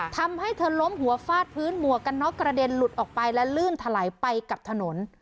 ทำให้เธอล้มหัวฟาดพื้นหมวกกันน็อกกระเด็นหลุดออกไปและลื่นถลายไปกับถนน